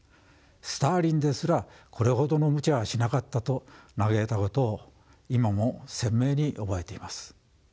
スターリンですらこれほどのムチャはしなかったと嘆いたことを今も鮮明に覚えています。